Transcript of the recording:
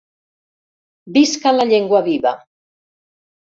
Visca la llengua viva!».